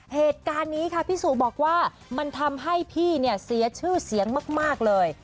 เหตุการณ์นี้ค่ะพี่สุบอกว่ามันทำให้พี่เนี่ยเสียชื่อเสียงมากเลย